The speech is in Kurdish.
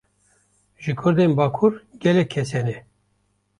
Ji Kurdên bakur, gelek kes hene